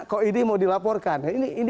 kok ini mau dilaporkan